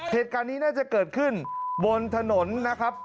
เหตุการณ์นี้น่าจะเกิดขึ้นบนถนนนะครับ